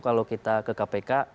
kalau kita ke kpk